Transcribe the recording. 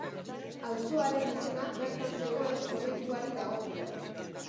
Auzoaren izena bertan zegoen komentuari dagokio.